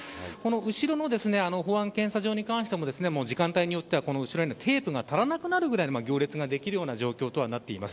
後ろの保安検査場に関しても時間帯によってはテープが足らなくなるぐらいの行列ができるぐらいの状況です。